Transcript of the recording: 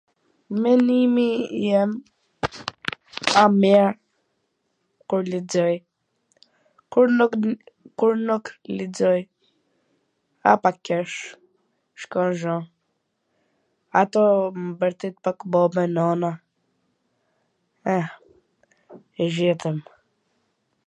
Menimi i jem ma mir kur lexoj, kur nuk .. kur nuk lexoj, a pak kesh, shkon gjo, ato m bwrtet pak dhe nona, eh, e gjetwm.